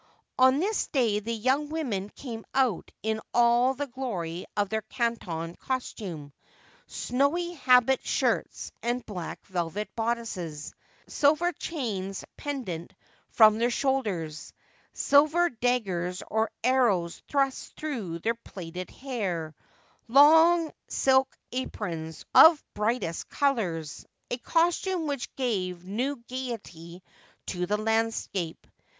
On this day the young women came out in all the glory of their canton costume — snowy habit shirts and black velvet bodices, silver chains pendent from their shoulders, silver daggers or arrows thrust through their plaited hair, long silk aprons of brightest colours — a costume which gave new gaiety '7 meane well, hy God that sit Alove.' 329 to the landscape.